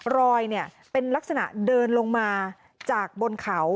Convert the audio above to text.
รอยเป็นลักษณะเดินลงมาจากบนเขา